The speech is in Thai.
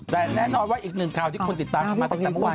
แต่แน่นอนว่าอีกหนึ่งข่าวที่คนติดตามกันมาตั้งแต่เมื่อวาน